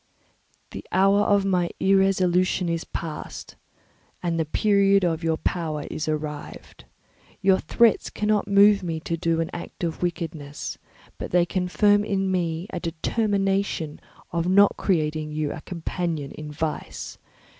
"The hour of my irresolution is past, and the period of your power is arrived. Your threats cannot move me to do an act of wickedness; but they confirm me in a determination of not creating you a companion in vice.